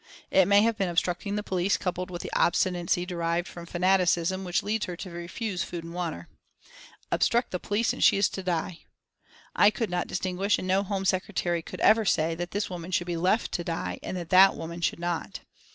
It may have been obstructing the police, coupled with the obstinacy derived from fanaticism which leads her to refuse food and water. Obstructing the police and she is to die! I could not distinguish, and no Home Secretary could ever say, that this woman should be left to die and that that woman should not.